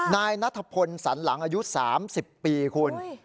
นายนัทพลสันหลังอายุ๓๐ปีคุณ